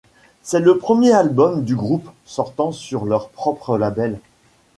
C'est le premier album du groupe sortant sur leur propre label.